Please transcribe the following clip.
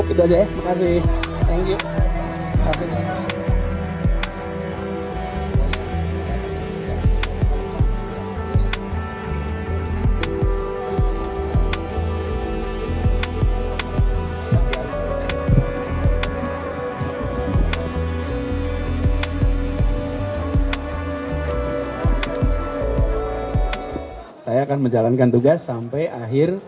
f pertimbangan kerja akademi